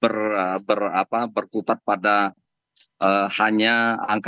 peneliti pertahankan paham hukum progresif dari komunitas yang beda